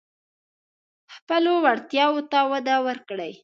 خپلو وړتیاوو ته وده ورکړئ.